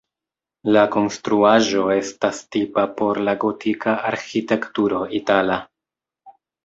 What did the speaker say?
La konstruaĵo estas tipa por la gotika arĥitekturo itala.